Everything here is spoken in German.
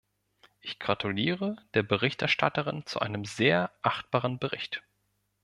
Ich gratuliere der Berichterstatterin zu einem sehr achtbaren Bericht.